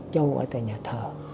châu ở tại nhà thờ